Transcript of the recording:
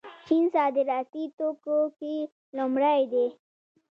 چین صادراتي توکو کې لومړی دی.